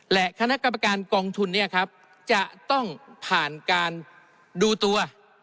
และคณะกรรมการกองทุนเนี่ยครับจะต้องผ่านการดูตัว